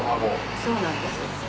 そうなんです。